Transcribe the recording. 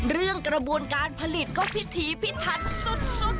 เรื่องกระบวนการผลิตก็พิธีพิถันสุด